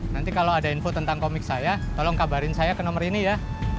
nanti kalau ada info tentang komik saya tolong kabarin saya ke nomor ini ya